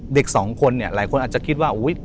เด็กสองคนเนี่ยหลายคนอาจจะคิดว่าอุ๊ย